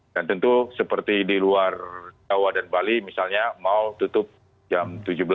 dan tentu seperti di luar jawa dan bali misalnya mau tutup jam tujuh belas